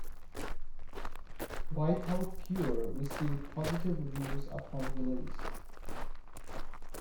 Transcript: "Wipeout Pure" received positive reviews upon release.